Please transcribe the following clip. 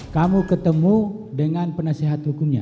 kamu ketemu dengan penasehat hukumnya